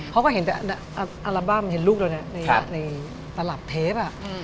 เพราะก็เห็นตั้งแต่โลคในตลาดเทป